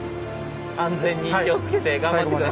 安全に気を付けて頑張って下さい。